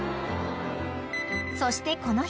［そしてこの日は］